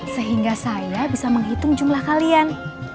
sehingga saya bisa menghitung jumlah kalian